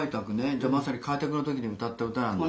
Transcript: じゃまさに開拓の時に歌った歌なんだ。